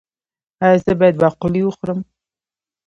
ایا زه باید باقلي وخورم؟